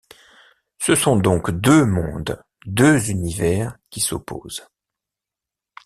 Ce sont donc deux mondes, deux univers qui s'opposent.